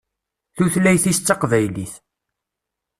Tutlayt-is d taqbaylit.